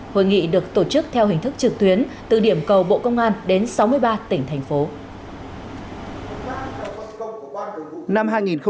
hội nghị được tổ chức theo hình thức trực tuyến từ điểm cầu bộ công an đến sáu mươi ba tỉnh thành phố